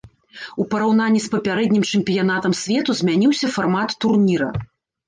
У параўнанні з папярэднім чэмпіянатам свету змяніўся фармат турніра.